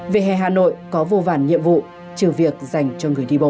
về hè hà nội có vô vàn nhiệm vụ trừ việc dành cho người đi bộ